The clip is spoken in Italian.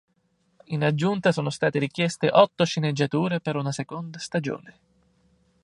In aggiunta, sono stati richieste otto sceneggiature per una seconda stagione.